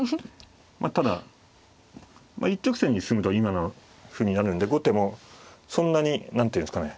まあただ一直線に進むと今の譜になるんで後手もそんなに何ていうんですかね